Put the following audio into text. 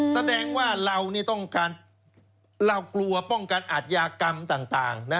แสดงว่าเรากลัวป้องกันอัดยากรรมต่าง